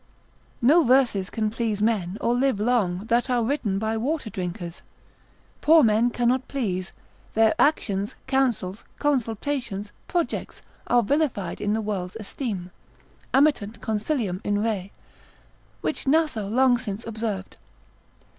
——— No verses can please men or live long that are written by water drinkers. Poor men cannot please, their actions, counsels, consultations, projects, are vilified in the world's esteem, amittunt consilium in re, which Gnatho long since observed.